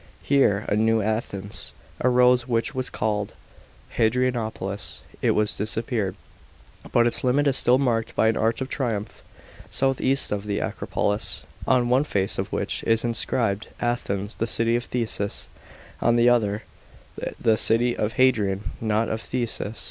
Here a "new Athens " arose which was called Hadrianopolis. It has disappeared. 22 506 THE PRINCIPATE OF HADRIAN. CHAP. xxvi. but its limit is still marked by an arch of tiiumph, south east of the Acropolis, on one face of which is inscribed, "Athens, the city of Theseus," on the other, " The city of Hadrian, not of Theseus."